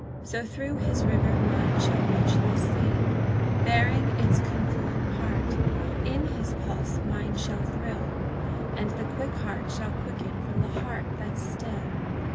So through his river mine shall reach thy sea, Bearing its confluent part; In his pulse mine shall thrill; And the quick heart shall quicken from the heart that's still.